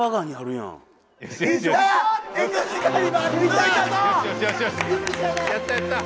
やったやった。